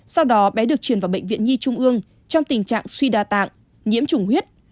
sau đó bé được chuyển vào bệnh viện nhi trung ương trong tình trạng suy đa tạng nhiễm chủng huyết